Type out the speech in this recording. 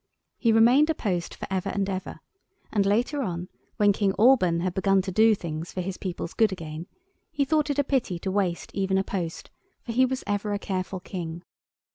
He remained a post for ever and ever, and later on, when King Alban had begun to do things for his people's good again, he thought it a pity to waste even a post, for he was ever a careful King.